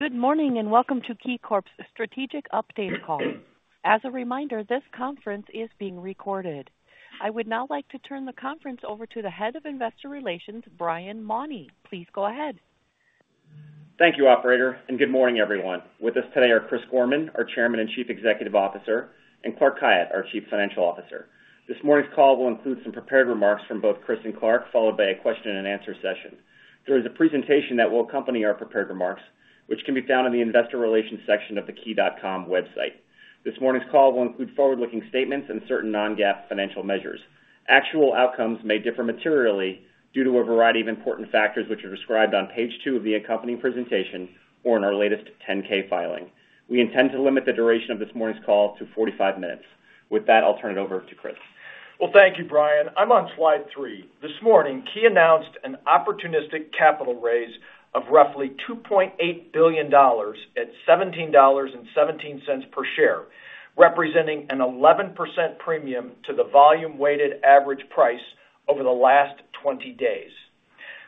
Good morning, and welcome to KeyCorp's Strategic Update Call. As a reminder, this conference is being recorded. I would now like to turn the conference over to the Head of Investor Relations, Brian Mauney. Please go ahead. Thank you, operator, and good morning, everyone. With us today are Chris Gorman, our Chairman and Chief Executive Officer, and Clark Khayat, our Chief Financial Officer. This morning's call will include some prepared remarks from both Chris and Clark, followed by a question-and-answer session. There is a presentation that will accompany our prepared remarks, which can be found in the investor relations section of the Key.com website. This morning's call will include forward-looking statements and certain non-GAAP financial measures. Actual outcomes may differ materially due to a variety of important factors, which are described on Page 2 of the accompanying presentation or in our latest 10-K filing. We intend to limit the duration of this morning's call to 45 minutes. With that, I'll turn it over to Chris. Well, thank you, Brian. I'm on Slide 3. This morning, Key announced an opportunistic capital raise of roughly $2.8 billion at $17.17 per share, representing an 11% premium to the volume-weighted average price over the last 20 days.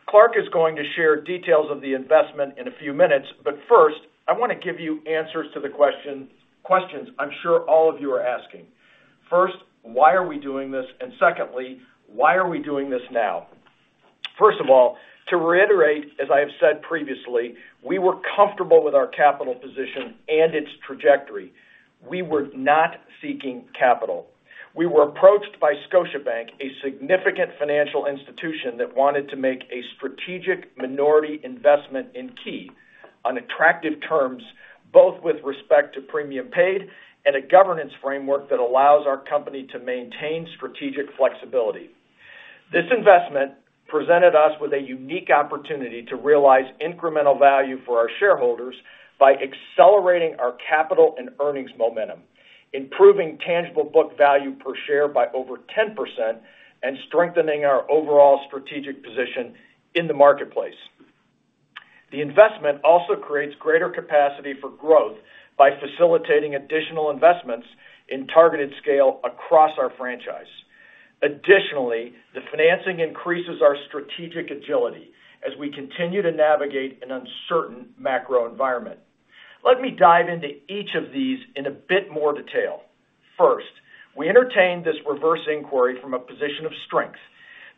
Clark is going to share details of the investment in a few minutes, but first, I want to give you answers to the questions I'm sure all of you are asking. First, why are we doing this? And secondly, why are we doing this now? First of all, to reiterate, as I have said previously, we were comfortable with our capital position and its trajectory. We were not seeking capital. We were approached by Scotiabank, a significant financial institution that wanted to make a strategic minority investment in Key on attractive terms, both with respect to premium paid and a governance framework that allows our company to maintain strategic flexibility. This investment presented us with a unique opportunity to realize incremental value for our shareholders by accelerating our capital and earnings momentum, improving tangible book value per share by over 10%, and strengthening our overall strategic position in the marketplace. The investment also creates greater capacity for growth by facilitating additional investments in targeted scale across our franchise. Additionally, the financing increases our strategic agility as we continue to navigate an uncertain macro environment. Let me dive into each of these in a bit more detail. First, we entertained this reverse inquiry from a position of strength.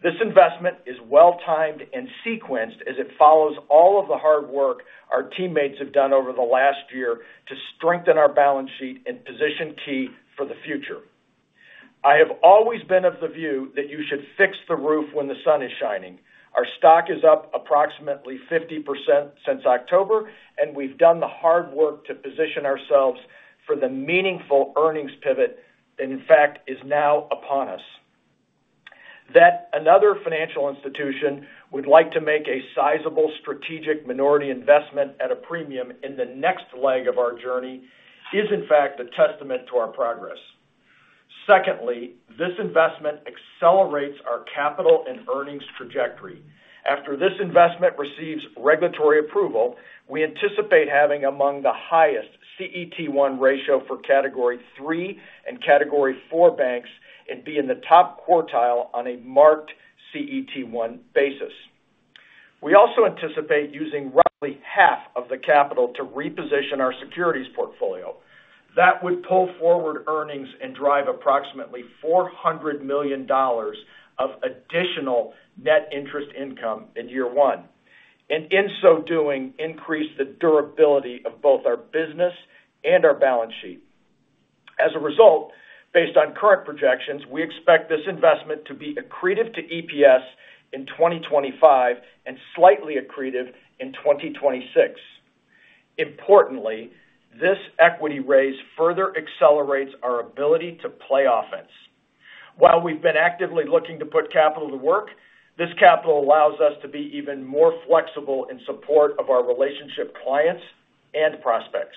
This investment is well-timed and sequenced as it follows all of the hard work our teammates have done over the last year to strengthen our balance sheet and position Key for the future. I have always been of the view that you should fix the roof when the sun is shining. Our stock is up approximately 50% since October, and we've done the hard work to position ourselves for the meaningful earnings pivot that, in fact, is now upon us. That another financial institution would like to make a sizable strategic minority investment at a premium in the next leg of our journey is, in fact, a testament to our progress. Secondly, this investment accelerates our capital and earnings trajectory. After this investment receives regulatory approval, we anticipate having among the highest CET1 ratio for Category III and Category IV banks and be in the top quartile on a marked CET1 basis. We also anticipate using roughly half of the capital to reposition our securities portfolio. That would pull forward earnings and drive approximately $400 million of additional net interest income in year one, and in so doing, increase the durability of both our business and our balance sheet. As a result, based on current projections, we expect this investment to be accretive to EPS in 2025 and slightly accretive in 2026. Importantly, this equity raise further accelerates our ability to play offense. While we've been actively looking to put capital to work, this capital allows us to be even more flexible in support of our relationship clients and prospects.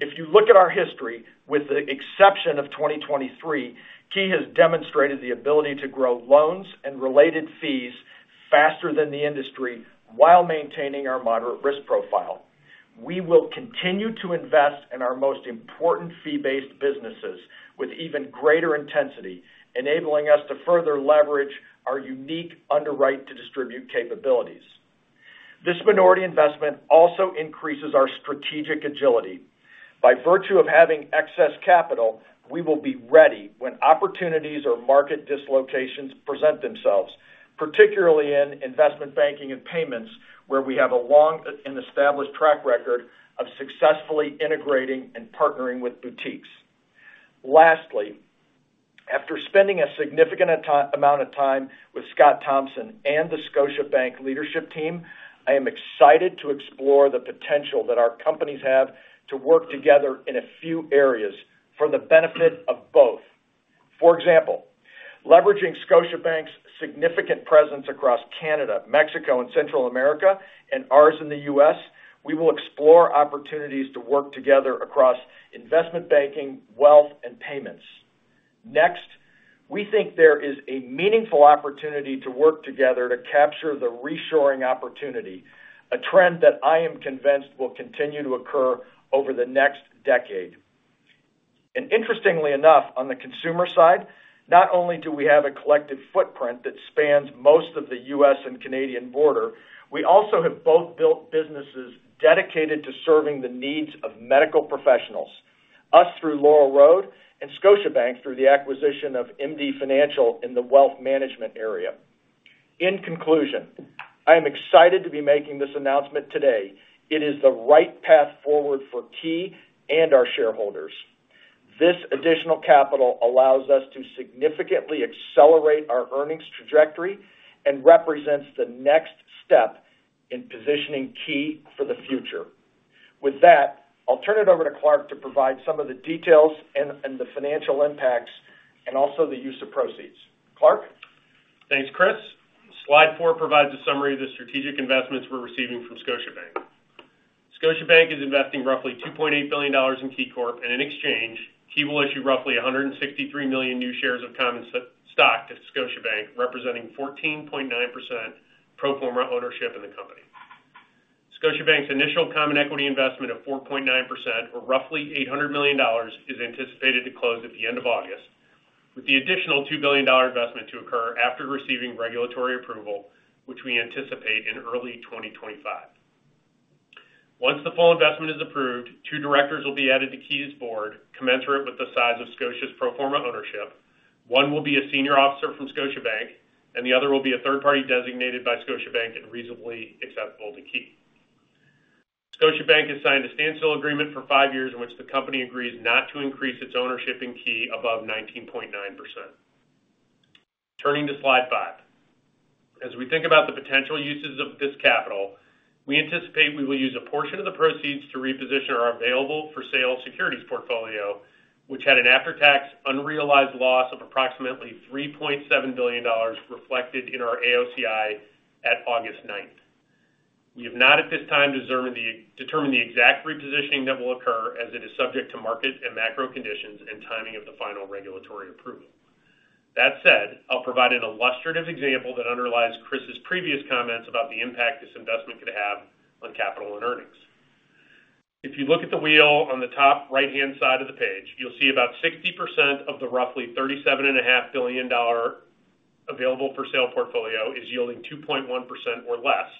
If you look at our history, with the exception of 2023, Key has demonstrated the ability to grow loans and related fees faster than the industry while maintaining our moderate risk profile. We will continue to invest in our most important fee-based businesses with even greater intensity, enabling us to further leverage our unique underwrite to distribute capabilities. This minority investment also increases our strategic agility. By virtue of having excess capital, we will be ready when opportunities or market dislocations present themselves, particularly in investment banking and payments, where we have a long and established track record of successfully integrating and partnering with boutiques. Lastly, after spending a significant amount of time with Scott Thomson and the Scotiabank leadership team, I am excited to explore the potential that our companies have to work together in a few areas for the benefit of both. For example, leveraging Scotiabank's significant presence across Canada, Mexico, and Central America, and ours in the U.S., we will explore opportunities to work together across investment banking, wealth, and payments. Next, we think there is a meaningful opportunity to work together to capture the reshoring opportunity, a trend that I am convinced will continue to occur over the next decade.... And interestingly enough, on the consumer side, not only do we have a collective footprint that spans most of the U.S. and Canadian border, we also have both built businesses dedicated to serving the needs of medical professionals, us through Laurel Road and Scotiabank through the acquisition of MD Financial in the wealth management area. In conclusion, I am excited to be making this announcement today. It is the right path forward for Key and our shareholders. This additional capital allows us to significantly accelerate our earnings trajectory and represents the next step in positioning Key for the future. With that, I'll turn it over to Clark to provide some of the details and the financial impacts, and also the use of proceeds. Clark? Thanks, Chris. Slide 4 provides a summary of the strategic investments we're receiving from Scotiabank. Scotiabank is investing roughly $2.8 billion in KeyCorp, and in exchange, Key will issue roughly 163 million new shares of common stock to Scotiabank, representing 14.9% pro forma ownership in the company. Scotiabank's initial common equity investment of 4.9%, or roughly $800 million, is anticipated to close at the end of August, with the additional $2 billion investment to occur after receiving regulatory approval, which we anticipate in early 2025. Once the full investment is approved, 2 directors will be added to Key's board, commensurate with the size of Scotiabank's pro forma ownership. One will be a senior officer from Scotiabank, and the other will be a third party designated by Scotiabank and reasonably acceptable to Key. Scotiabank has signed a standstill agreement for 5 years in which the company agrees not to increase its ownership in Key above 19.9%. Turning to Slide 5. As we think about the potential uses of this capital, we anticipate we will use a portion of the proceeds to reposition our Available for Sale securities portfolio, which had an after-tax unrealized loss of approximately $3.7 billion reflected in our AOCI at August ninth. We have not, at this time, determined the exact repositioning that will occur, as it is subject to market and macro conditions and timing of the final regulatory approval. That said, I'll provide an illustrative example that underlies Chris's previous comments about the impact this investment could have on capital and earnings. If you look at the wheel on the top right-hand side of the page, you'll see about 60% of the roughly $37.5 billion Available for Sale portfolio is yielding 2.1% or less,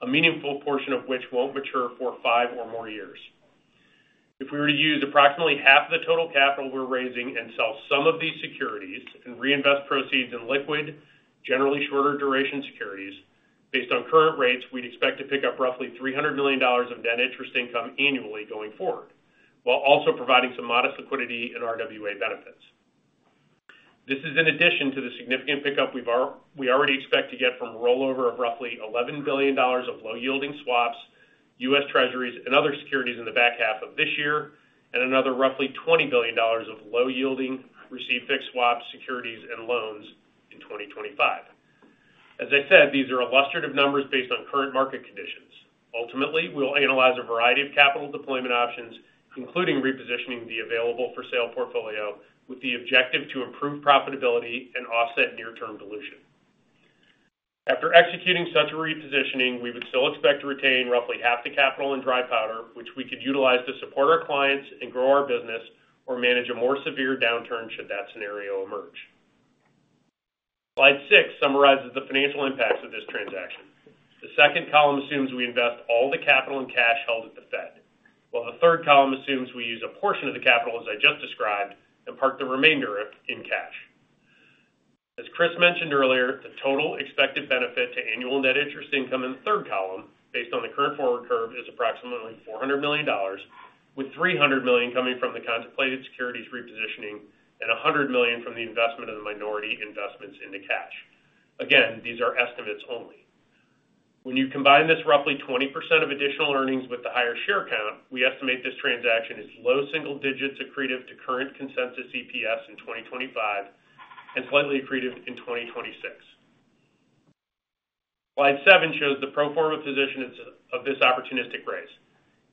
a meaningful portion of which won't mature for 5 or more years. If we were to use approximately half of the total capital we're raising and sell some of these securities and reinvest proceeds in liquid, generally shorter duration securities, based on current rates, we'd expect to pick up roughly $300 million of net interest income annually going forward, while also providing some modest liquidity and RWA benefits. This is in addition to the significant pickup we already expect to get from rollover of roughly $11 billion of low-yielding swaps, U.S. Treasuries, and other securities in the back half of this year, and another roughly $20 billion of low-yielding received fixed swaps, securities, and loans in 2025. As I said, these are illustrative numbers based on current market conditions. Ultimately, we'll analyze a variety of capital deployment options, including repositioning the Available for Sale portfolio, with the objective to improve profitability and offset near-term dilution. After executing such a repositioning, we would still expect to retain roughly half the capital in dry powder, which we could utilize to support our clients and grow our business or manage a more severe downturn should that scenario emerge. Slide 6 summarizes the financial impacts of this transaction. The second column assumes we invest all the capital and cash held at the Fed, while the third column assumes we use a portion of the capital, as I just described, and park the remainder of it in cash. As Chris mentioned earlier, the total expected benefit to annual net interest income in the third column, based on the current forward curve, is approximately $400 million, with $300 million coming from the contemplated securities repositioning and $100 million from the investment of the minority investments into cash. Again, these are estimates only. When you combine this roughly 20% of additional earnings with the higher share count, we estimate this transaction is low single digits accretive to current consensus EPS in 2025, and slightly accretive in 2026. Slide 7 shows the pro forma position of this opportunistic raise.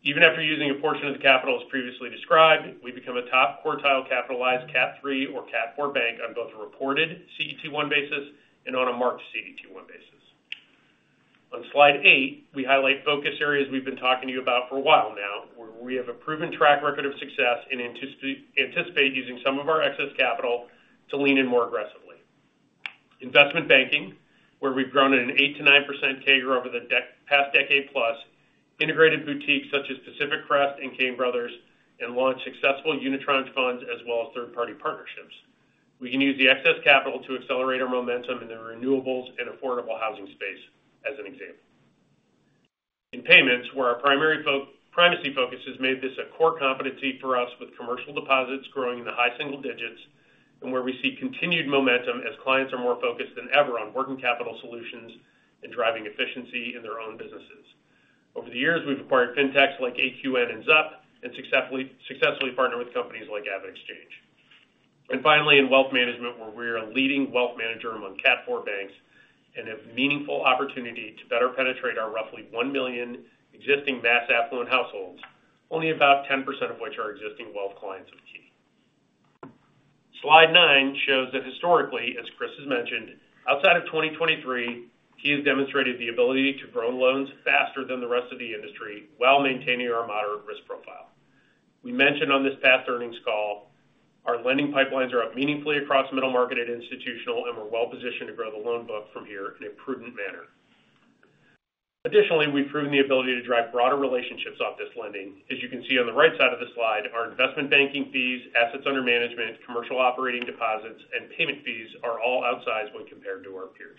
Even after using a portion of the capital as previously described, we become a top-quartile capitalized Cat III or Cat IV bank on both a reported CET1 basis and on a marked CET1 basis. On Slide 8, we highlight focus areas we've been talking to you about for a while now, where we have a proven track record of success and anticipate using some of our excess capital to lean in more aggressively. Investment banking, where we've grown at an 8%-9% CAGR over the past decade plus, integrated boutiques such as Pacific Crest and Cain Brothers, and launched successful unitranche funds as well as third-party partnerships. We can use the excess capital to accelerate our momentum in the renewables and affordable housing space, as an example. In payments, where our primary focus has made this a core competency for us, with commercial deposits growing in the high single digits, and where we see continued momentum as clients are more focused than ever on working capital solutions and driving efficiency in their own businesses. Over the years, we've acquired fintechs like AQN and XUP, and successfully partnered with companies like AvidXchange. And finally, in wealth management, where we are a leading wealth manager among Cat IV banks and have meaningful opportunity to better penetrate our roughly 1 million existing mass affluent households, only about 10% of which are existing wealth clients of Key. Slide 9 shows that historically, as Chris has mentioned, outside of 2023, Key has demonstrated the ability to grow loans faster than the rest of the industry while maintaining our moderate risk profile. We mentioned on this past earnings call, our lending pipelines are up meaningfully across middle market and institutional, and we're well positioned to grow the loan book from here in a prudent manner. Additionally, we've proven the ability to drive broader relationships off this lending. As you can see on the right side of the slide, our investment banking fees, assets under management, commercial operating deposits, and payment fees are all outsized when compared to our peers.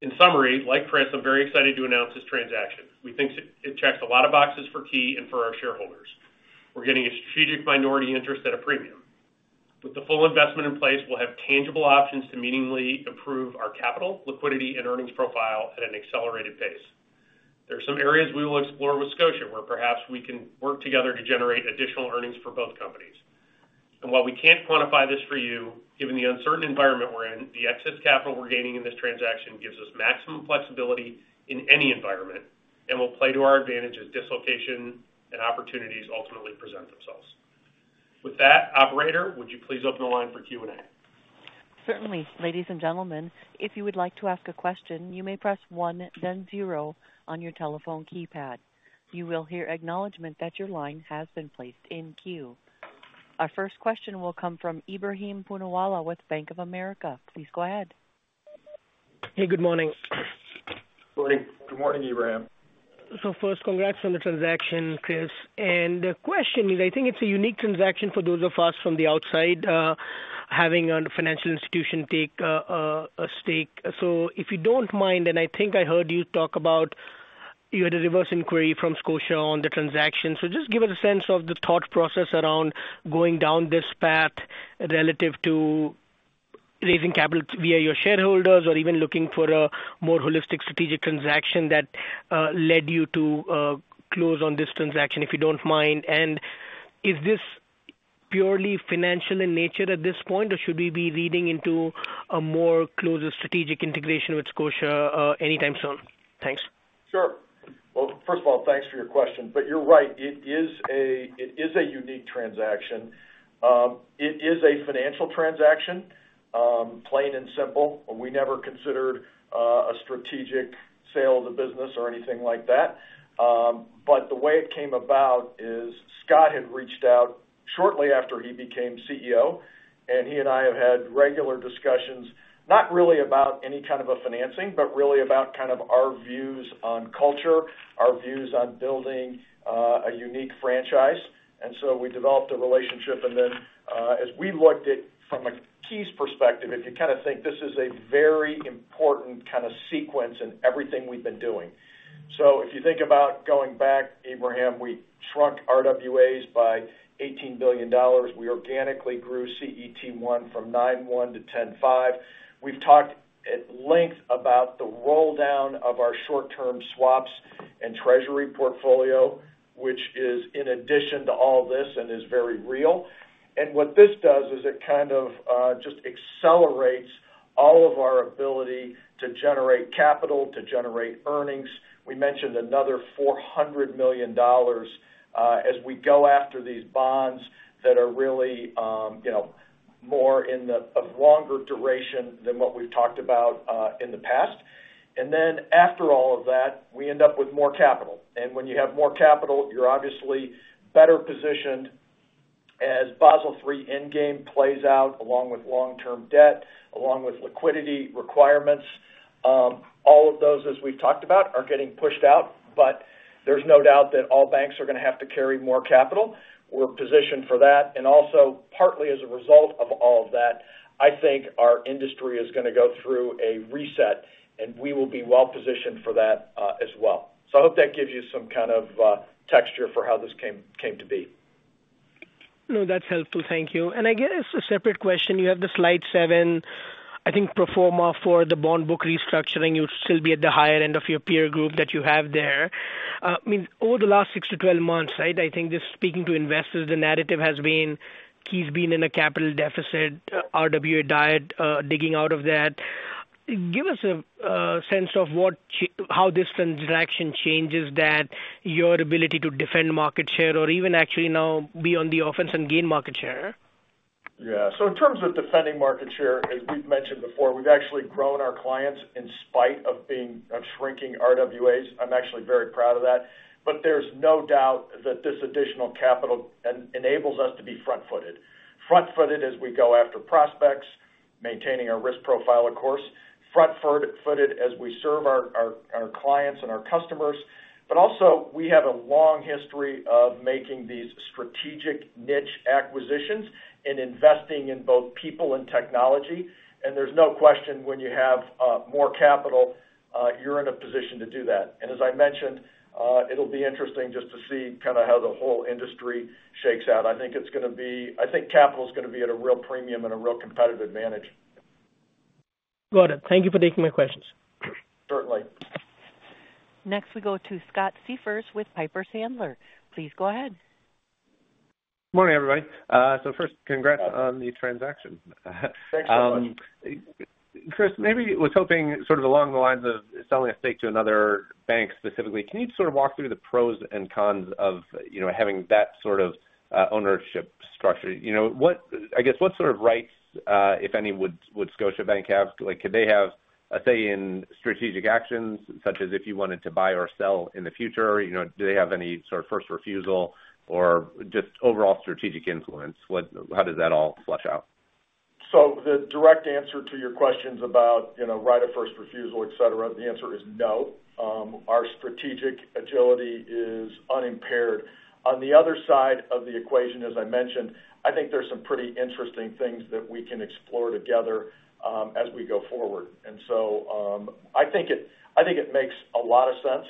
In summary, like Chris, I'm very excited to announce this transaction. We think it checks a lot of boxes for Key and for our shareholders. We're getting a strategic minority interest at a premium. With the full investment in place, we'll have tangible options to meaningfully improve our capital, liquidity, and earnings profile at an accelerated pace. There are some areas we will explore with Scotia, where perhaps we can work together to generate additional earnings for both companies. And while we can't quantify this for you, given the uncertain environment we're in, the excess capital we're gaining in this transaction gives us maximum flexibility in any environment and will play to our advantage as dislocation and opportunities ultimately present themselves. With that, operator, would you please open the line for Q&A? Certainly. Ladies and gentlemen, if you would like to ask a question, you may press one, then zero on your telephone keypad. You will hear acknowledgment that your line has been placed in queue. Our first question will come from Ebrahim Poonawala with Bank of America. Please go ahead. Hey, good morning. Morning. Good morning, Ebrahim. So first, congrats on the transaction, Chris. And the question is, I think it's a unique transaction for those of us from the outside, having a financial institution take a stake. So if you don't mind, and I think I heard you talk about you had a reverse inquiry from Scotia on the transaction. So just give us a sense of the thought process around going down this path relative to raising capital via your shareholders, or even looking for a more holistic strategic transaction that led you to close on this transaction, if you don't mind. And is this purely financial in nature at this point, or should we be reading into a more closer strategic integration with Scotia anytime soon? Thanks. Sure. Well, first of all, thanks for your question. But you're right, it is a unique transaction. It is a financial transaction, plain and simple. We never considered a strategic sale of the business or anything like that. But the way it came about is Scott had reached out shortly after he became CEO, and he and I have had regular discussions, not really about any kind of a financing, but really about kind of our views on culture, our views on building a unique franchise. And so we developed a relationship, and then, as we looked at from a Key's perspective, if you kind of think this is a very important kind of sequence in everything we've been doing. So if you think about going back, Ebrahim, we shrunk RWAs by $18 billion. We organically grew CET1 from 9.1 to 10.5. We've talked at length about the roll-down of our short-term swaps and treasury portfolio, which is in addition to all this and is very real. And what this does is it kind of just accelerates all of our ability to generate capital, to generate earnings. We mentioned another $400 million as we go after these bonds that are really, you know, more of longer duration than what we've talked about in the past. And then after all of that, we end up with more capital. And when you have more capital, you're obviously better positioned as Basel III Endgame plays out, along with long-term debt, along with liquidity requirements. All of those, as we've talked about, are getting pushed out, but there's no doubt that all banks are going to have to carry more capital. We're positioned for that, and also partly as a result of all of that, I think our industry is going to go through a reset, and we will be well positioned for that, as well. So I hope that gives you some kind of texture for how this came to be. No, that's helpful. Thank you. And I guess a separate question. You have the Slide 7, I think pro forma for the bond book restructuring, you'll still be at the higher end of your peer group that you have there. I mean, over the last six to 12 months, right, I think just speaking to investors, the narrative has been, Key's been in a capital deficit, RWA diet, digging out of that. Give us a sense of what, how this transaction changes that, your ability to defend market share or even actually now be on the offense and gain market share. Yeah. So in terms of defending market share, as we've mentioned before, we've actually grown our clients in spite of being, of shrinking RWAs. I'm actually very proud of that. But there's no doubt that this additional capital enables us to be front-footed. Front-footed as we go after prospects, maintaining our risk profile, of course, front-footed as we serve our clients and our customers. But also, we have a long history of making these strategic niche acquisitions and investing in both people and technology. And there's no question when you have more capital, you're in a position to do that. And as I mentioned, it'll be interesting just to see kind of how the whole industry shakes out. I think it's going to be. I think capital is going to be at a real premium and a real competitive advantage. Got it. Thank you for taking my questions. Certainly. Next, we go to Scott Siefers with Piper Sandler. Please go ahead. Morning, everybody. So first, congrats on the transaction. Thanks so much. Chris, maybe was hoping sort of along the lines of selling a stake to another bank specifically, can you sort of walk through the pros and cons of, you know, having that sort of, ownership structure? You know, what- I guess, what sort of rights, if any, would, would Scotiabank have? Like, could they have a say in strategic actions, such as if you wanted to buy or sell in the future? You know, do they have any sort of first refusal or just overall strategic influence? What- how does that all flush out? So the direct answer to your questions about, you know, right of first refusal, et cetera, the answer is no. Our strategic agility is unimpaired. On the other side of the equation, as I mentioned, I think there's some pretty interesting things that we can explore together, as we go forward. And so, I think it, I think it makes a lot of sense,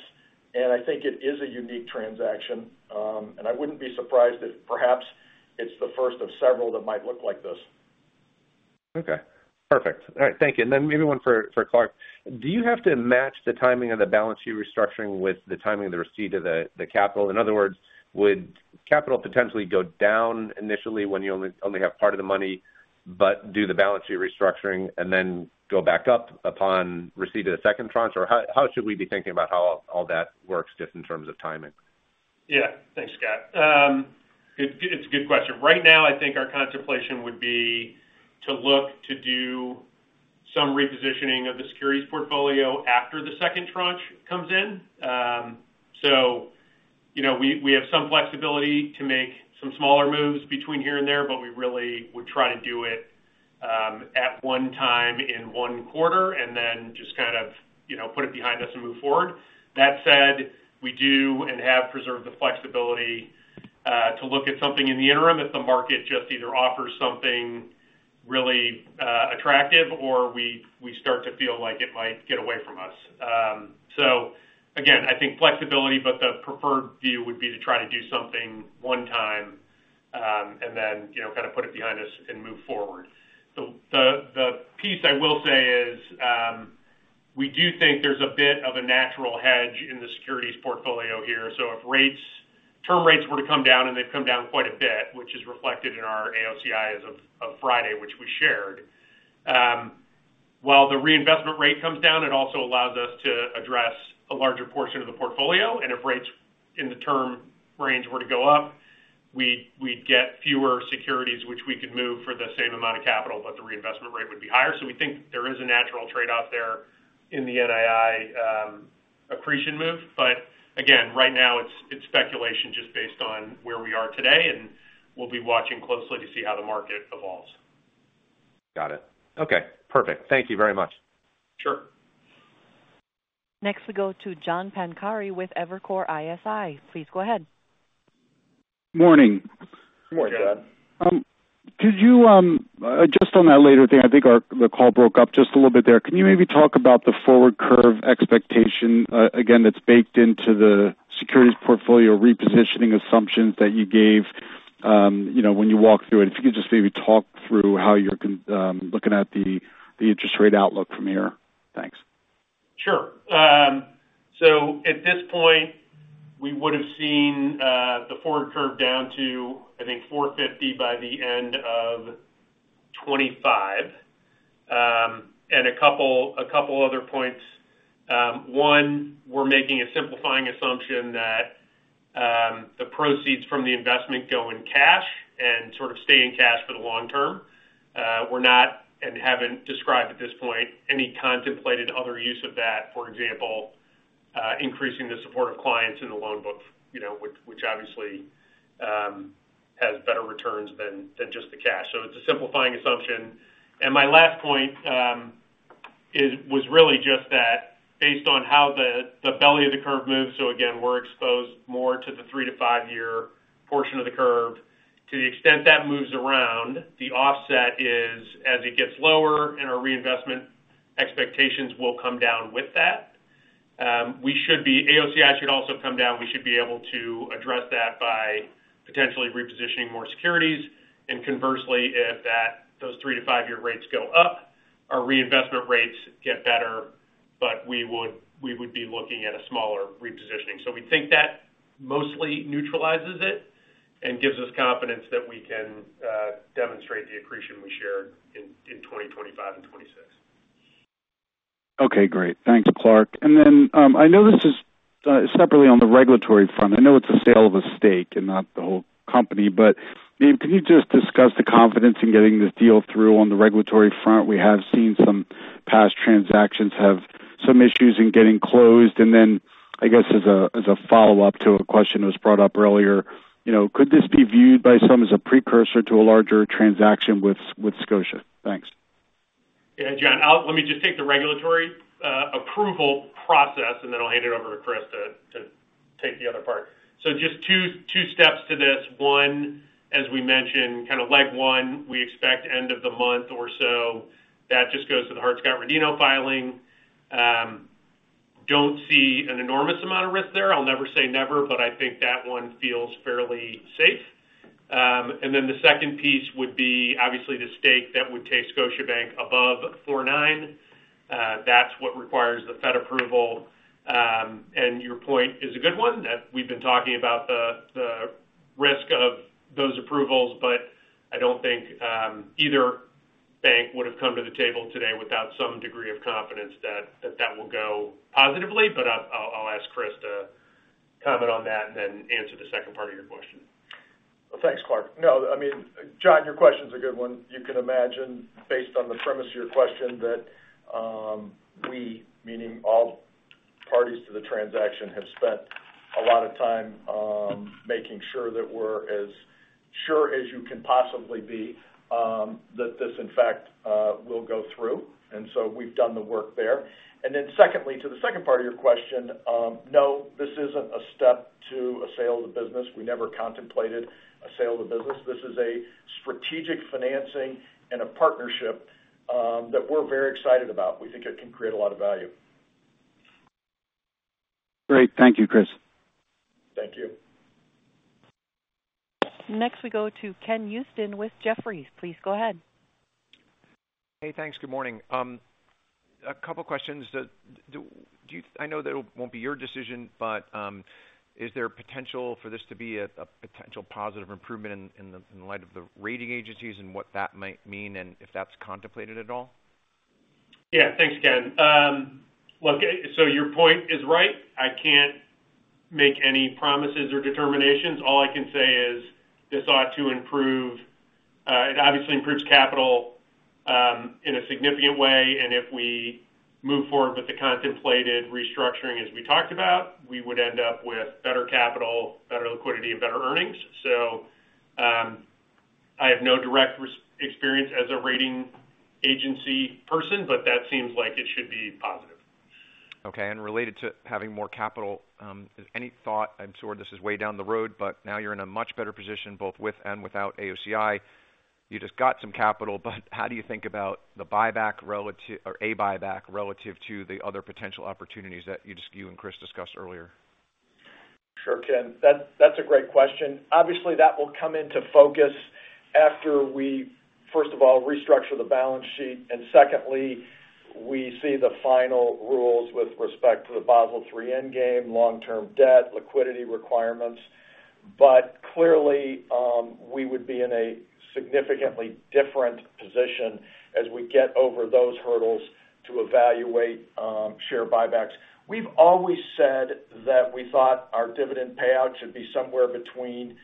and I think it is a unique transaction. And I wouldn't be surprised if perhaps it's the first of several that might look like this. Okay, perfect. All right. Thank you. And then maybe one for Clark. Do you have to match the timing of the balance sheet restructuring with the timing of the receipt of the capital? In other words, would capital potentially go down initially when you only have part of the money, but do the balance sheet restructuring and then go back up upon receipt of the second tranche? Or how should we be thinking about how all that works just in terms of timing? Yeah. Thanks, Scott. It's a good question. Right now, I think our contemplation would be to look to do some repositioning of the securities portfolio after the second tranche comes in. So, you know, we have some flexibility to make some smaller moves between here and there, but we really would try to do it at one time in one quarter, and then just kind of, you know, put it behind us and move forward. That said, we do and have preserved the flexibility to look at something in the interim if the market just either offers something really attractive or we start to feel like it might get away from us. So again, I think flexibility, but the preferred view would be to try to do something one time, and then, you know, kind of put it behind us and move forward. The piece I will say is, we do think there's a bit of a natural hedge in the securities portfolio here. So if rates, term rates were to come down, and they've come down quite a bit, which is reflected in our AOCI as of Friday, which we shared. While the reinvestment rate comes down, it also allows us to address a larger portion of the portfolio, and if rates in the term range were to go up, we'd get fewer securities, which we could move for the same amount of capital, but the reinvestment rate would be higher. So we think there is a natural trade-off there in the NII, accretion move. But again, right now it's, it's speculation just based on where we are today, and we'll be watching closely to see how the market evolves. Got it. Okay, perfect. Thank you very much. Sure. Next, we go to John Pancari with Evercore ISI. Please go ahead. Morning. Morning, John. Could you just on that later thing, I think our—the call broke up just a little bit there. Can you maybe talk about the forward curve expectation again, that's baked into the securities portfolio repositioning assumptions that you gave, you know, when you walk through it? If you could just maybe talk through how you're looking at the, the interest rate outlook from here. Thanks. Sure. So at this point, we would have seen the forward curve down to, I think, 4.50 by the end of 2025. And a couple other points. One, we're making a simplifying assumption that the proceeds from the investment go in cash and sort of stay in cash for the long term. We're not and haven't described at this point any contemplated other use of that, for example, increasing the support of clients in the loan book, you know, which obviously has better returns than just the cash. So it's a simplifying assumption. And my last point is—was really just that, based on how the belly of the curve moves, so again, we're exposed more to the 3- to five-year portion of the curve. To the extent that moves around, the offset is as it gets lower and our reinvestment expectations will come down with that, AOCI should also come down. We should be able to address that by potentially repositioning more securities. And conversely, if those three to five-year rates go up, our reinvestment rates get better, but we would be looking at a smaller repositioning. So we think that mostly neutralizes it and gives us confidence that we can demonstrate the accretion we shared in 2025 and 2026. Okay, great. Thanks, Clark. And then, I know this is separately on the regulatory front. I know it's a sale of a stake and not the whole company, but, I mean, can you just discuss the confidence in getting this deal through on the regulatory front? We have seen some past transactions have some issues in getting closed. And then, I guess, as a follow-up to a question that was brought up earlier, you know, could this be viewed by some as a precursor to a larger transaction with Scotiabank? Thanks. Yeah, John, let me just take the regulatory approval process, and then I'll hand it over to Chris to take the other part. So just two steps to this. One, as we mentioned, kind of leg one, we expect end of the month or so. That just goes to the Hart-Scott-Rodino filing. Don't see an enormous amount of risk there. I'll never say never, but I think that one feels fairly safe. And then the second piece would be obviously the stake that would take Scotiabank above 49. That's what requires the Fed approval. And your point is a good one, that we've been talking about the risk of those approvals, but I don't think either bank would have come to the table today without some degree of confidence that that will go positively. But I'll ask Chris to comment on that and then answer the second part of your question. Well, thanks, Clark. No, I mean, John, your question's a good one. You can imagine, based on the premise of your question, that we, meaning all parties to the transaction, have spent a lot of time making sure that we're as sure as you can possibly be that this, in fact, will go through. And then secondly, to the second part of your question, no, this isn't a step to a sale of the business. We never contemplated a sale of the business. This is a strategic financing and a partnership that we're very excited about. We think it can create a lot of value. Great. Thank you, Chris. Thank you. Next, we go to Ken Usdin with Jefferies. Please go ahead. Hey, thanks. Good morning. A couple questions. Do you—I know that it won't be your decision, but is there a potential for this to be a potential positive improvement in the light of the rating agencies and what that might mean, and if that's contemplated at all? Yeah. Thanks, Ken. Look, so your point is right. I can't make any promises or determinations. All I can say is this ought to improve, it obviously improves capital, in a significant way, and if we move forward with the contemplated restructuring as we talked about, we would end up with better capital, better liquidity, and better earnings. So, I have no direct experience as a rating agency person, but that seems like it should be positive. Okay, and related to having more capital, is any thought, I'm sure this is way down the road, but now you're in a much better position, both with and without AOCI. You just got some capital, but how do you think about the buyback relative- or a buyback relative to the other potential opportunities that you just, you and Chris discussed earlier? Sure, Ken. That, that's a great question. Obviously, that will come into focus after we, first of all, restructure the balance sheet, and secondly, we see the final rules with respect to the Basel III Endgame, long-term debt, liquidity requirements. But clearly, we would be in a significantly different position as we get over those hurdles to evaluate, share buybacks. We've always said that we thought our dividend payout should be somewhere between,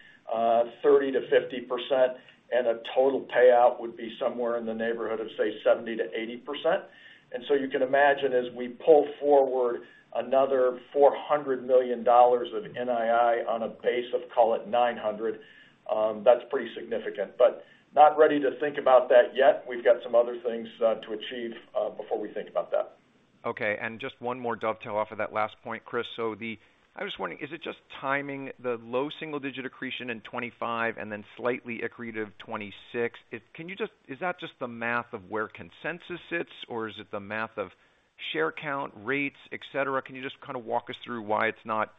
thirty to fifty percent, and a total payout would be somewhere in the neighborhood of, say, seventy to eighty percent. And so you can imagine, as we pull forward another $400 million of NII on a base of, call it, $900 million, that's pretty significant. But not ready to think about that yet. We've got some other things, to achieve, before we think about that. Okay, and just one more dovetail off of that last point, Chris. So the... I was wondering, is it just timing the low single-digit accretion in 2025 and then slightly accretive 2026? Can you just- is that just the math of where consensus sits, or is it the math of share count, rates, et cetera? Can you just kind of walk us through why it's not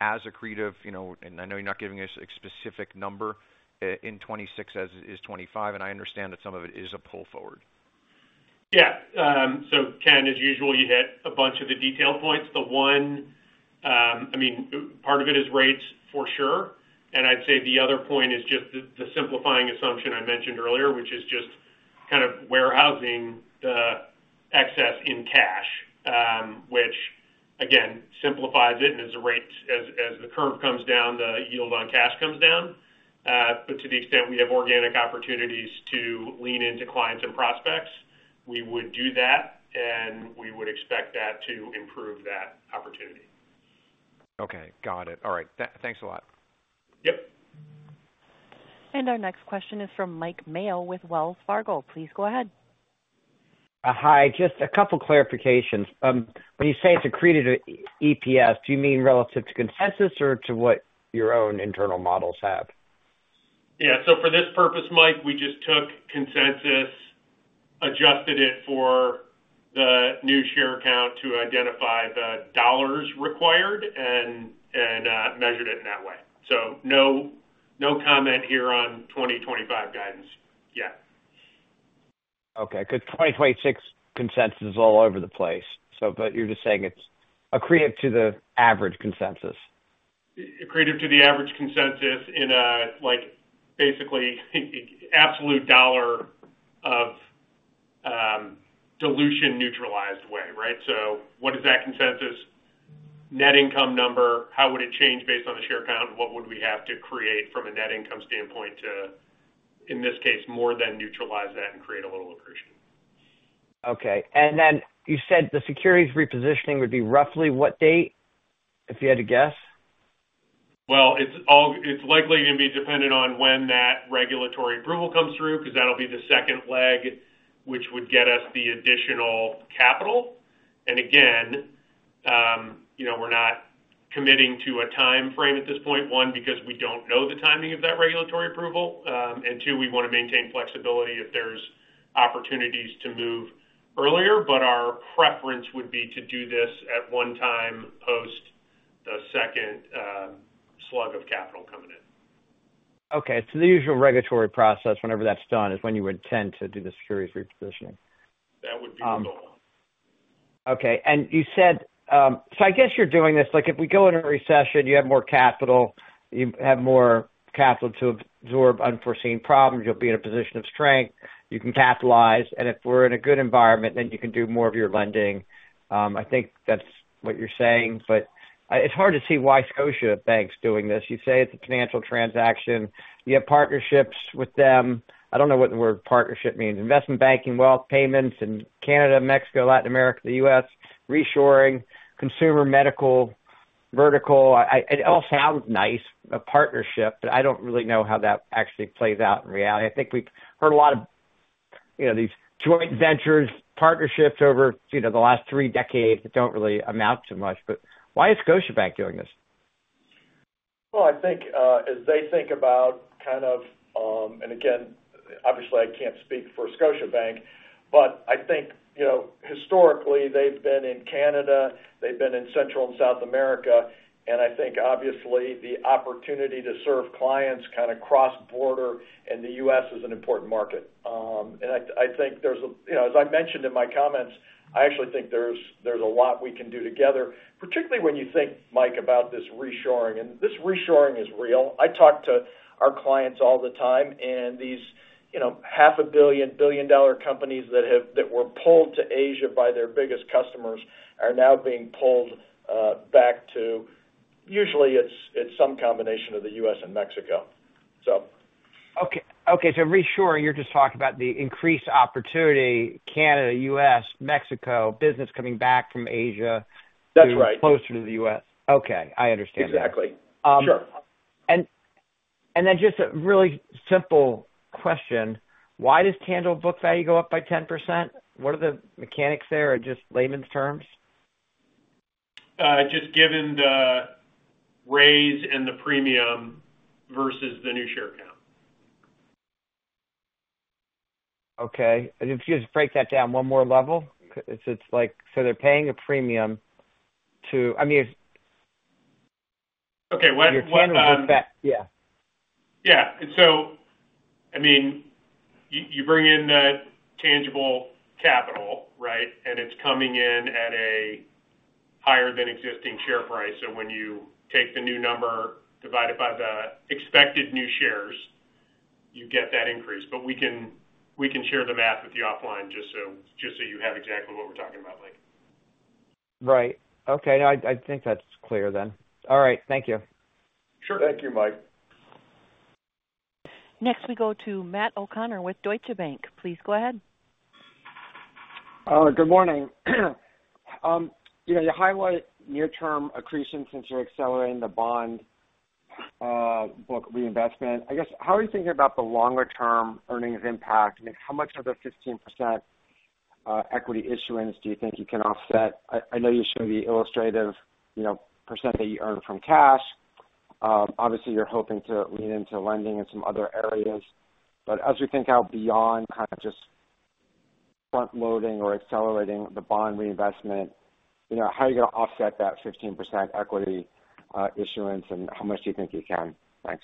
as accretive, you know, and I know you're not giving us a specific number in 2026 as it is 2025, and I understand that some of it is a pull forward. Yeah. So Ken, as usual, you hit a bunch of the detail points. The one, I mean, part of it is rates, for sure, and I'd say the other point is just the simplifying assumption I mentioned earlier, which is just kind of warehousing the excess in cash, which, again, simplifies it, and as the rates, as the curve comes down, the yield on cash comes down. But to the extent we have organic opportunities to lean into clients and prospects, we would do that, and we would expect that to improve that opportunity. Okay, got it. All right. Thanks a lot. Yep. Our next question is from Mike Mayo with Wells Fargo. Please go ahead. Hi, just a couple clarifications. When you say it's accreted EPS, do you mean relative to consensus or to what your own internal models have? Yeah. So for this purpose, Mike, we just took consensus, adjusted it for the new share count to identify the dollars required, and measured it in that way. So no, no comment here on 2025 guidance yet. Okay, because 2026 consensus is all over the place. So but you're just saying it's accretive to the average consensus. Accretive to the average consensus in a, like, basically, absolute dollar of, dilution-neutralized way, right? So what is that consensus net income number? How would it change based on the share count? What would we have to create from a net income standpoint to, in this case, more than neutralize that and create a little accretion? Okay. And then you said the securities repositioning would be roughly what date, if you had to guess? Well, it's likely going to be dependent on when that regulatory approval comes through, because that'll be the second leg, which would get us the additional capital. And again, you know, we're not committing to a timeframe at this point, one, because we don't know the timing of that regulatory approval, and two, we want to maintain flexibility if there's opportunities to move earlier. But our preference would be to do this at one time, post the second slug of capital coming in. Okay, so the usual regulatory process, whenever that's done, is when you would tend to do the securities repositioning? That would be the goal. Okay. And you said, so I guess you're doing this, like, if we go in a recession, you have more capital, you have more capital to absorb unforeseen problems, you'll be in a position of strength, you can capitalize, and if we're in a good environment, then you can do more of your lending. I think that's what you're saying, but it's hard to see why Scotiabank's doing this. You say it's a financial transaction. You have partnerships with them. I don't know what the word partnership means. Investment banking, wealth payments in Canada, Mexico, Latin America, the U.S., reshoring, consumer medical, vertical. It all sounds nice, a partnership, but I don't really know how that actually plays out in reality. I think we've heard a lot of, you know, these joint ventures, partnerships over, you know, the last three decades that don't really amount to much. But why is Scotiabank doing this? Well, I think, as they think about kind of, and again, obviously, I can't speak for Scotiabank, but I think, you know, historically, they've been in Canada, they've been in Central and South America, and I think, obviously, the opportunity to serve clients kind of cross-border in the U.S. is an important market. And I think there's a. You know, as I mentioned in my comments, I actually think there's a lot we can do together, particularly when you think, Mike, about this reshoring. And this reshoring is real. I talk to our clients all the time, and these, you know, half a billion, billion-dollar companies that have that were pulled to Asia by their biggest customers are now being pulled back to usually it's some combination of the U.S. and Mexico, so. Okay. Okay, so reshoring, you're just talking about the increased opportunity, Canada, U.S., Mexico, business coming back from Asia- That's right. Closer to the U.S. Okay, I understand. Exactly. Sure. Just a really simple question: Why does tangible book value go up by 10%? What are the mechanics there in just layman's terms? Just given the raise in the premium versus the new share count. Okay. And if you just break that down one more level, it's, it's like so they're paying a premium to... I mean, if- Okay. When, Yeah. Yeah. So, I mean, you bring in the tangible capital, right? And it's coming in at a higher than existing share price. So when you take the new number, divide it by the expected new shares, you get that increase. But we can share the math with you offline just so you have exactly what we're talking about, Mike. Right. Okay. No, I think that's clear then. All right. Thank you. Sure. Thank you, Mike. Next, we go to Matt O'Connor with Deutsche Bank. Please go ahead. Good morning. You know, you highlight near-term accretion since you're accelerating the bond book reinvestment. I guess, how are you thinking about the longer-term earnings impact? I mean, how much of the 15% equity issuance do you think you can offset? I know you showed the illustrative, you know, percent that you earn from cash. Obviously, you're hoping to lean into lending in some other areas. But as we think out beyond kind of just front loading or accelerating the bond reinvestment, you know, how are you going to offset that 15% equity issuance, and how much do you think you can? Thanks.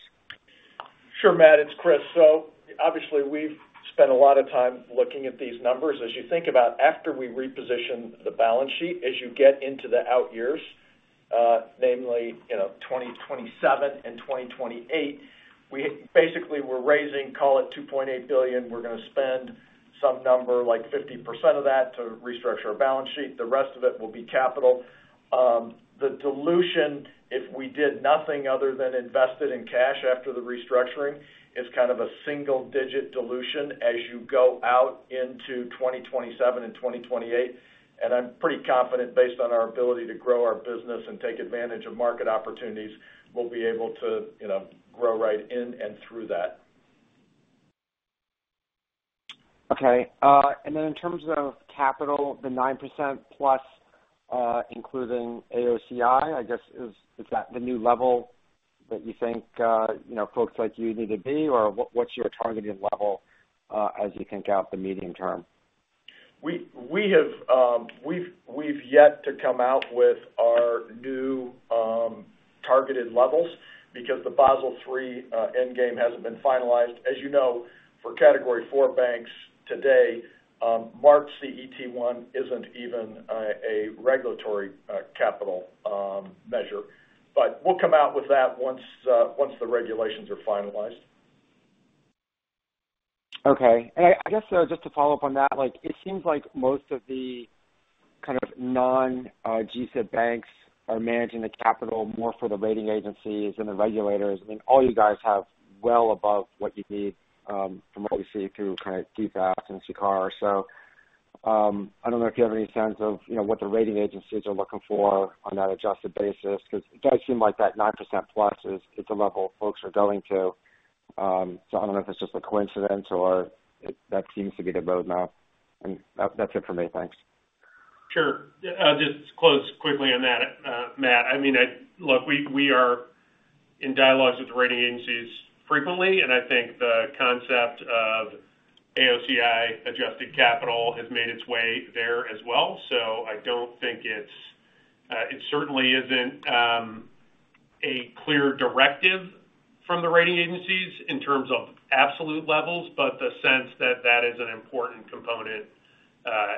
Sure, Matt, it's Chris. So obviously, we've spent a lot of time looking at these numbers. As you think about after we reposition the balance sheet, as you get into the out years, namely, you know, 2027 and 2028, we basically we're raising, call it $2.8 billion. We're going to spend some number, like 50% of that, to restructure our balance sheet. The rest of it will be capital. The dilution, if we did nothing other than invested in cash after the restructuring, is kind of a single-digit dilution as you go out into 2027 and 2028. And I'm pretty confident, based on our ability to grow our business and take advantage of market opportunities, we'll be able to, you know, grow right in and through that. Okay. And then in terms of capital, the 9%+, including AOCI, I guess, is, is that the new level that you think, you know, folks like you need to be, or what, what's your targeted level, as you think out the medium term? We have yet to come out with our new targeted levels because the Basel III Endgame hasn't been finalized. As you know, for Category IV banks today, marked CET1 isn't even a regulatory capital measure. But we'll come out with that once the regulations are finalized. Okay. And I guess, just to follow up on that, like, it seems like most of the kind of non GSIB banks are managing the capital more for the rating agencies and the regulators. I mean, all you guys have well above what you need, from what we see through kind of DFAST and CCAR. So, I don't know if you have any sense of, you know, what the rating agencies are looking for on that adjusted basis, because it does seem like that 9%+ is -- it's a level folks are going to. So I don't know if it's just a coincidence or it-- that seems to be the road map. And that's it for me. Thanks. Sure. I'll just close quickly on that, Matt. I mean, look, we are in dialogues with the rating agencies frequently, and I think the concept of AOCI adjusted capital has made its way there as well. So I don't think it's-.... it certainly isn't a clear directive from the rating agencies in terms of absolute levels, but the sense that that is an important component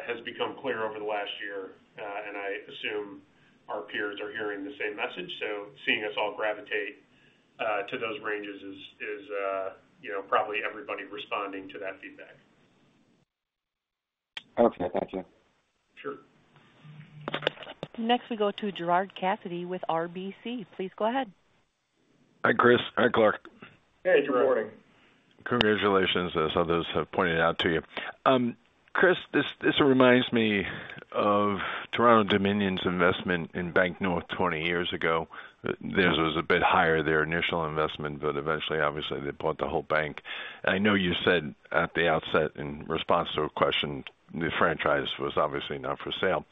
has become clear over the last year. And I assume our peers are hearing the same message. So seeing us all gravitate to those ranges is, you know, probably everybody responding to that feedback. Okay, thank you. Sure. Next, we go to Gerard Cassidy with RBC. Please go ahead. Hi, Chris. Hi, Clark. Hey, good morning. Congratulations, as others have pointed out to you. Chris, this reminds me of Toronto-Dominion's investment in Banknorth 20 years ago. Theirs was a bit higher, their initial investment, but eventually, obviously, they bought the whole bank. I know you said at the outset, in response to a question, the franchise was obviously not for sale.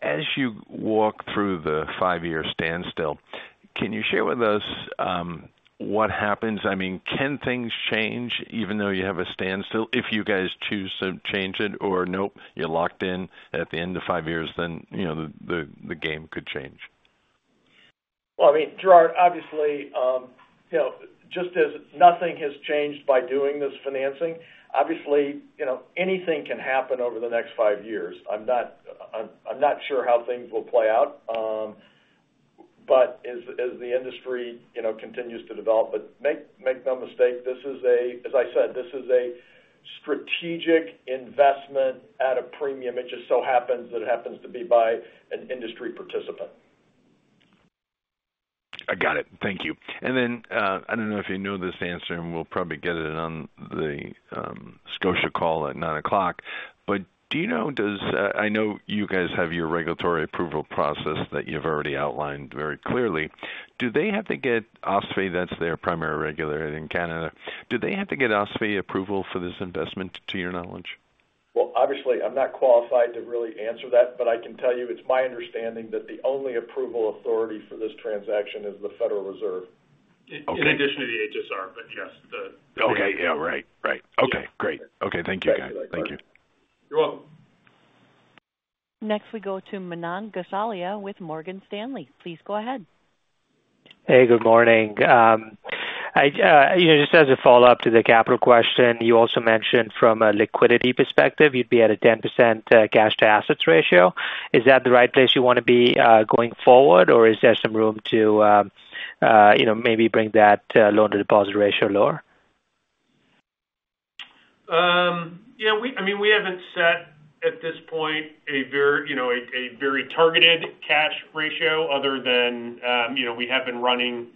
As you walk through the five-year standstill, can you share with us what happens? I mean, can things change even though you have a standstill, if you guys choose to change it, or nope, you're locked in at the end of five years, then, you know, the game could change? Well, I mean, Gerard, obviously, you know, just as nothing has changed by doing this financing, obviously, you know, anything can happen over the next five years. I'm not sure how things will play out, but as the industry, you know, continues to develop. But make no mistake, this is a, as I said, this is a strategic investment at a premium. It just so happens that it happens to be by an industry participant. I got it. Thank you. And then, I don't know if you know this answer, and we'll probably get it on the Scotia call at 9:00 A.M. But do you know, I know you guys have your regulatory approval process that you've already outlined very clearly. Do they have to get OSFI, that's their primary regulator in Canada, do they have to get OSFI approval for this investment, to your knowledge? Well, obviously, I'm not qualified to really answer that, but I can tell you it's my understanding that the only approval authority for this transaction is the Federal Reserve. Okay. In addition to the HSR, but yes, the- Okay. Yeah, right. Right. Okay, great. Okay, thank you, guys. Thank you. You're welcome. Next, we go to Manan Gosalia with Morgan Stanley. Please go ahead. Hey, good morning. You know, just as a follow-up to the capital question, you also mentioned from a liquidity perspective, you'd be at a 10% cash to assets ratio. Is that the right place you want to be going forward, or is there some room to, you know, maybe bring that loan-to-deposit ratio lower? Yeah, we—I mean, we haven't set at this point a very, you know, very targeted cash ratio other than, you know, we have been running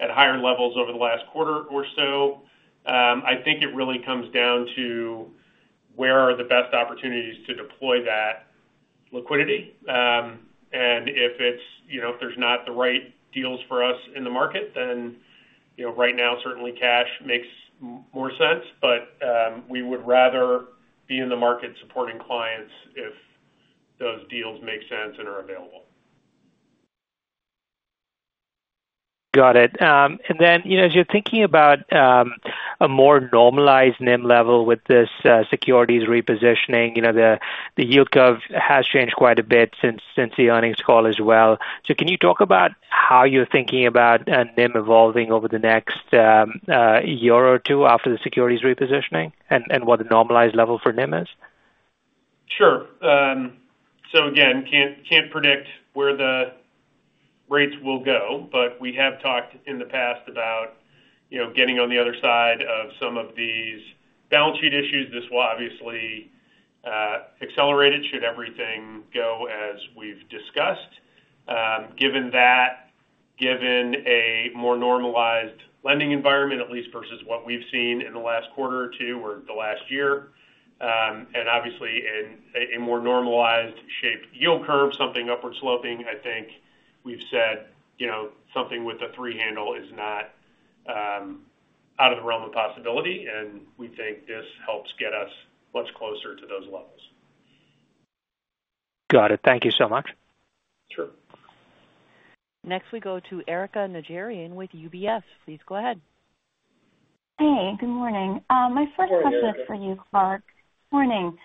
at higher levels over the last quarter or so. I think it really comes down to where are the best opportunities to deploy that liquidity. And if it's, you know, if there's not the right deals for us in the market, then, you know, right now, certainly cash makes more sense. But we would rather be in the market supporting clients if those deals make sense and are available. Got it. And then, you know, as you're thinking about a more normalized NIM level with this securities repositioning, you know, the yield curve has changed quite a bit since the earnings call as well. So can you talk about how you're thinking about NIM evolving over the next year or two after the securities repositioning, and what the normalized level for NIM is? Sure. So again, can't predict where the rates will go, but we have talked in the past about, you know, getting on the other side of some of these balance sheet issues. This will obviously accelerate it, should everything go as we've discussed. Given that, given a more normalized lending environment, at least versus what we've seen in the last quarter or two or the last year, and obviously in a more normalized shaped yield curve, something upward sloping, I think we've said, you know, something with a three handle is not out of the realm of possibility, and we think this helps get us much closer to those levels. Got it. Thank you so much. Sure. Next, we go to Erika Najarian with UBS. Please go ahead. Hey, good morning. Good morning, Erika. My first question is for you, Clark. Morning.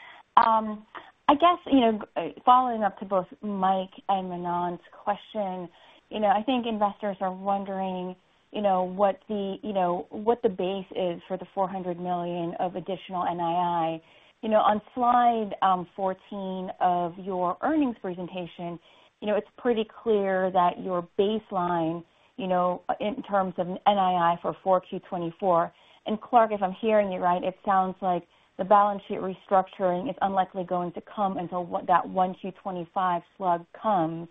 I guess, you know, following up to both Mike and Manan's question, you know, I think investors are wondering, you know, what the, you know, what the base is for the $400 million of additional NII. You know, on Slide 14 of your earnings presentation, you know, it's pretty clear that your baseline, you know, in terms of NII for 4Q 2024. And, Clark, if I'm hearing you right, it sounds like the balance sheet restructuring is unlikely going to come until what that 1Q 2025 slug comes.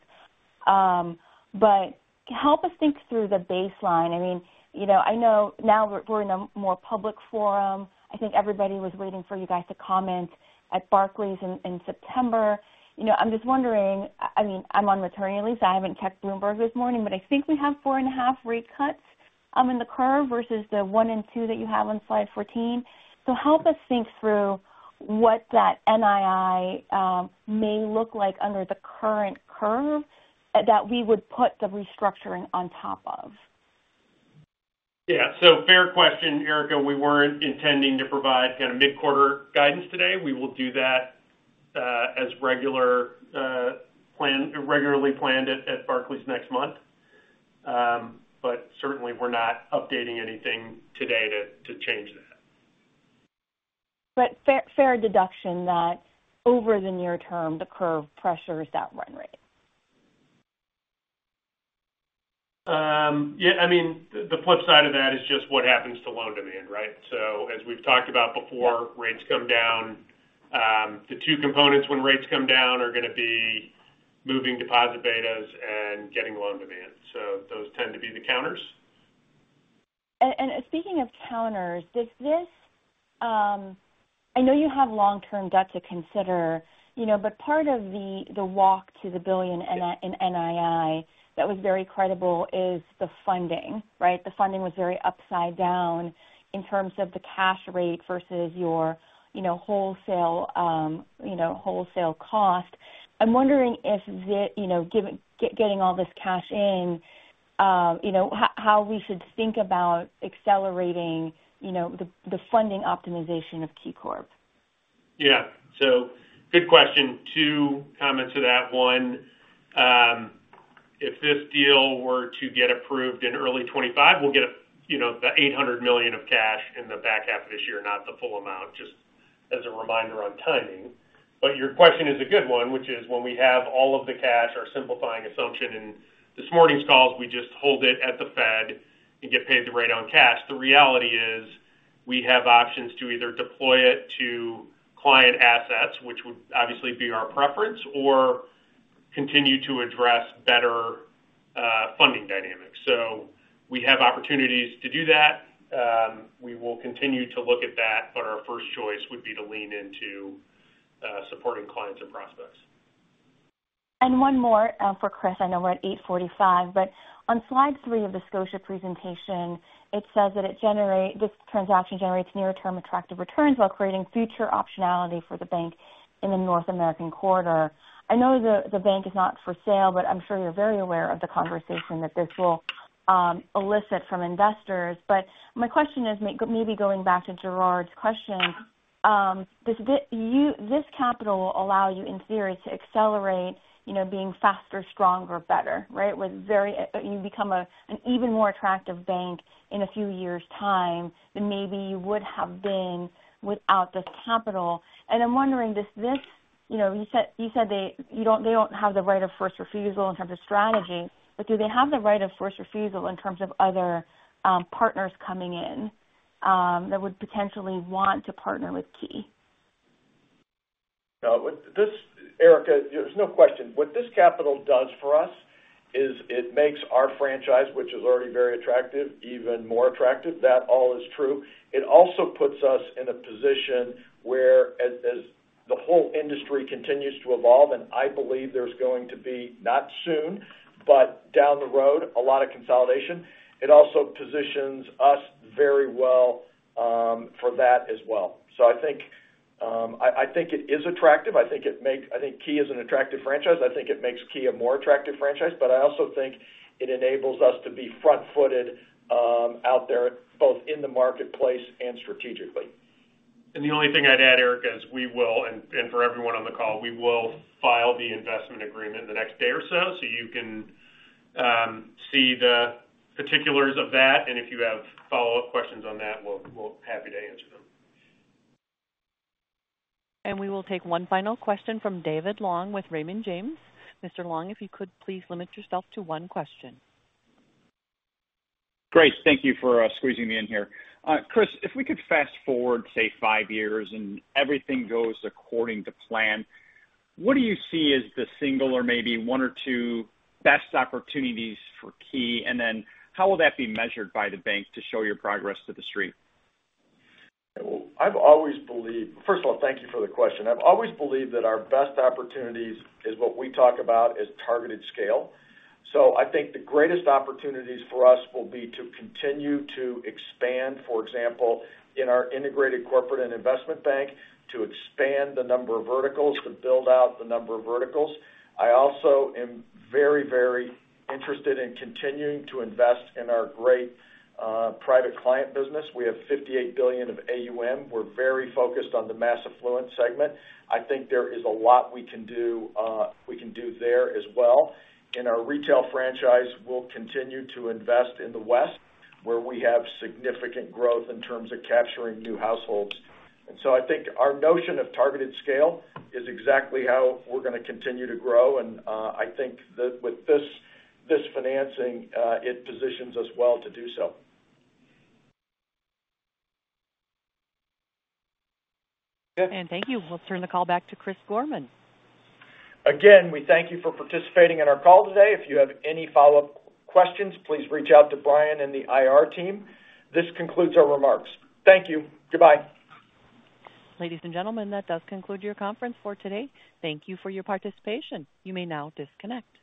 But help us think through the baseline. I mean, you know, I know now we're, we're in a more public forum. I think everybody was waiting for you guys to comment at Barclays in September. You know, I'm just wondering, I mean, I'm on maternity leave, so I haven't checked Bloomberg this morning, but I think we have 4.5 rate cuts in the curve versus the one and two that you have on Slide 14. So help us think through what that NII may look like under the current curve that we would put the restructuring on top of? Yeah, so fair question, Erika. We weren't intending to provide kind of mid-quarter guidance today. We will do that as regularly planned at Barclays next month. But certainly we're not updating anything today to change that. But fair deduction that over the near term, the curve pressures that run rate? Yeah, I mean, the flip side of that is just what happens to loan demand, right? So as we've talked about before, rates come down. The two components when rates come down are gonna be moving deposit betas and getting loan demand. So those tend to be the counters. Speaking of counters, I know you have long-term debt to consider, you know, but part of the walk to the $1 billion in NII that was very credible is the funding, right? The funding was very upside down in terms of the cash rate versus your, you know, wholesale, you know, wholesale cost. I'm wondering if the, you know, getting all this cash in, you know, how we should think about accelerating, you know, the funding optimization of KeyCorp. Yeah. So good question. Two comments to that. One, if this deal were to get approved in early 25, we'll get, you know, the $800 million of cash in the back half of this year, not the full amount, just as a reminder on timing. But your question is a good one, which is when we have all of the cash, our simplifying assumption, in this morning's calls, we just hold it at the Fed and get paid the rate on cash. The reality is, we have options to either deploy it to client assets, which would obviously be our preference, or continue to address better funding dynamics. So we have opportunities to do that. We will continue to look at that, but our first choice would be to lean into supporting clients and prospects. And one more, for Chris. I know we're at 8:45 A.M., but on Slide 3 of the Scotia presentation, it says that this transaction generates near-term attractive returns while creating future optionality for the bank in the North American corridor. I know the bank is not for sale, but I'm sure you're very aware of the conversation that this will elicit from investors. But my question is, maybe going back to Gerard's question, does this, this capital will allow you, in theory, to accelerate, you know, being faster, stronger, better, right? With very, you become an even more attractive bank in a few years' time than maybe you would have been without this capital. And I'm wondering, does this... You know, you said, you said they, you don't— they don't have the right of first refusal in terms of strategy, but do they have the right of first refusal in terms of other, partners coming in, that would potentially want to partner with Key? No, but this—Erika, there's no question. What this capital does for us is it makes our franchise, which is already very attractive, even more attractive. That all is true. It also puts us in a position where as the whole industry continues to evolve, and I believe there's going to be, not soon, but down the road, a lot of consolidation, it also positions us very well for that as well. So I think, I think it is attractive. I think Key is an attractive franchise. I think it makes Key a more attractive franchise, but I also think it enables us to be front-footed out there, both in the marketplace and strategically. The only thing I'd add, Erika, is we will, and for everyone on the call, we will file the investment agreement in the next day or so. So you can see the particulars of that, and if you have follow-up questions on that, we'll be happy to answer them. We will take one final question from David Long with Raymond James. Mr. Long, if you could please limit yourself to one question. Great, thank you for squeezing me in here. Chris, if we could fast forward, say, five years and everything goes according to plan, what do you see as the single or maybe one or two best opportunities for Key? And then how will that be measured by the bank to show your progress to the street? Well, I've always believed. First of all, thank you for the question. I've always believed that our best opportunities is what we talk about as targeted scale. So I think the greatest opportunities for us will be to continue to expand, for example, in our integrated corporate and investment bank, to expand the number of verticals, to build out the number of verticals. I also am very, very interested in continuing to invest in our great private client business. We have $58 billion of AUM. We're very focused on the mass affluent segment. I think there is a lot we can do, we can do there as well. In our retail franchise, we'll continue to invest in the West, where we have significant growth in terms of capturing new households. And so I think our notion of targeted scale is exactly how we're gonna continue to grow, and, I think that with this, this financing, it positions us well to do so. And thank you. We'll turn the call back to Chris Gorman. Again, we thank you for participating in our call today. If you have any follow-up questions, please reach out to Brian and the IR team. This concludes our remarks. Thank you. Goodbye. Ladies and gentlemen, that does conclude your conference for today. Thank you for your participation. You may now disconnect.